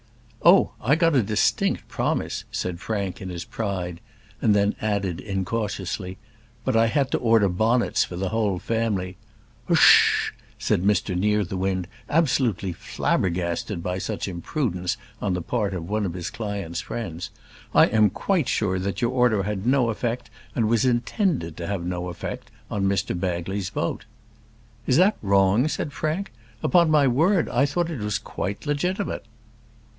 "Oh, I got a distinct promise," said Frank, in his pride; and then added incautiously, "but I had to order bonnets for the whole family." "Hush h h h h!" said Mr Nearthewinde, absolutely flabbergasted by such imprudence on the part of one of his client's friends. "I am quite sure that your order had no effect, and was intended to have no effect on Mr Bagley's vote." "Is that wrong?" said Frank; "upon my word I thought that it was quite legitimate."